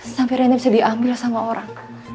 sampai akhirnya bisa diambil sama orang